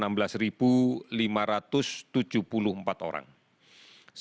sehingga kita bisa mengurangi mobilitas penduduk yang terdapat di daerah yang lain